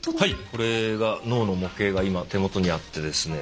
これが脳の模型が今手元にあってですね